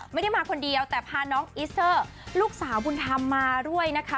ไม่ได้มาคนเดียวแต่พาน้องอิสเซอร์ลูกสาวบุญธรรมมาด้วยนะคะ